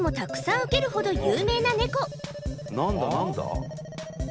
何だ何だ？